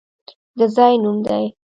د ځای نوم دی!